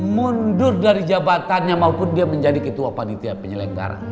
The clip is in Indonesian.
mundur dari jabatannya maupun dia menjadi ketua panitia penyelenggara